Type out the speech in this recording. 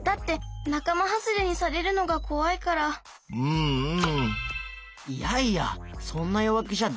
うんうん。